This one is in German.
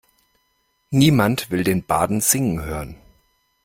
Niemand will den Barden singen hören.